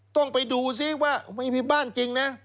ต้องไปดูซิว่าไม่มีบ้านจริงนะ